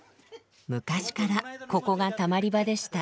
昔からここがたまり場でした。